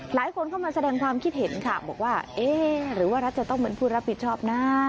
หลายคนเข้ามาแสดงความคิดเห็นค่ะบอกว่าเอ๊ะหรือว่ารัฐจะต้องเป็นผู้รับผิดชอบนะ